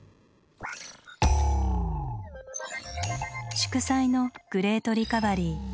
祝祭のグレートリカバリー。